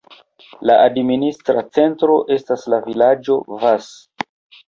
La administra centro estas la vilaĝo Vas.